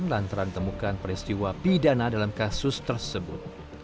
lantaran temukan peristiwa pidana dalam kasus tersebut